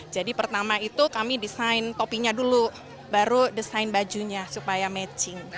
jadi pertama itu kami desain topinya dulu baru desain bajunya supaya matching